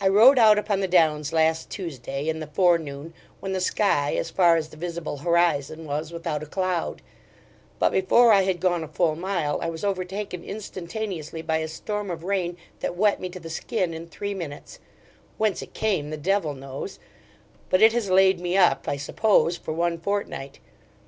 I rode out upon the Downs last Tuesday, in the forenoon, when the sky, as far as the visible horizon, was without a cloud; but before I had gone a full mile, I was overtaken instantaneously by a storm of rain that wet me to the skin in three minutes whence it came the devil knows; but it has laid me up (I suppose) for one fortnight.